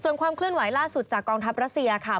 ส่วนความเคลื่อนไหวล่าสุดจากกองทัพรัสเซียค่ะ